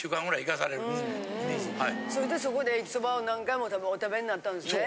それでそこでえきそばを何回もたぶんお食べになったんですね。